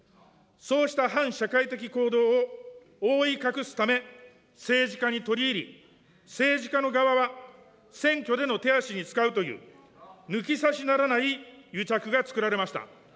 そうした反社会的行動を覆い隠すため、政治家に取り入り、政治家の側は選挙での手足に使うという、抜き差しならない癒着がつくられました。